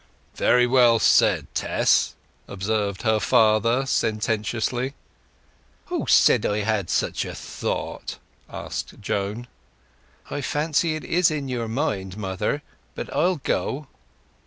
"Very well said, Tess!" observed her father sententiously. "Who said I had such a thought?" asked Joan. "I fancy it is in your mind, mother. But I'll go."